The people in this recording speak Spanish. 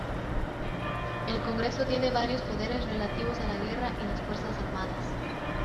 El Congreso tiene varios poderes relativos a la guerra y las fuerzas armadas.